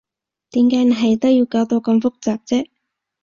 點解你係都要搞到咁複雜啫？